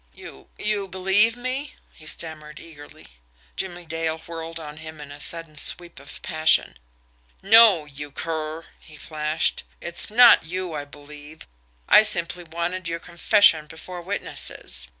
"You you believe me?" he stammered eagerly. Jimmie Dale whirled on him in a sudden sweep of passion. "NO, you cur!" he flashed. "It's not you I believe. I simply wanted your confession before witnesses."